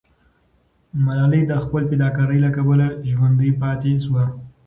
ملالۍ د خپل فداکارۍ له کبله ژوندی پاتې سوه.